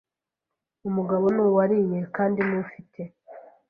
umugabo n’uwariye kandi n’ufite